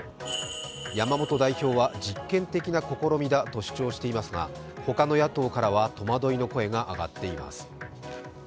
山本代表は実験的な試みだと主張していますが、他の野党からは戸惑いの声が上がっています。